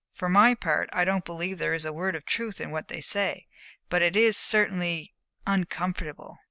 For my part, I don't believe there is a word of truth in what they say, but it is certainly uncomfortable."